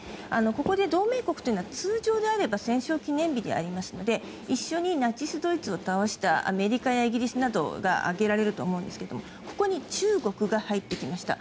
ここで同盟国というのは通常であれば戦勝記念日でありますので一緒にナチスドイツを倒したアメリカやイギリスなどが挙げられると思うんですけれどもここに中国が入ってきました。